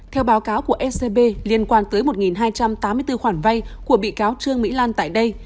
theo báo cáo của ecb liên quan tới một hai trăm tám mươi bốn khoản vay của bị cáo trương mỹ lan tại đây